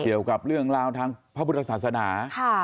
เกี่ยวกับเรื่องราวทางพระพุทธศาสนา